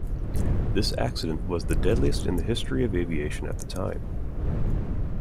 This accident was the deadliest in the history of aviation at the time.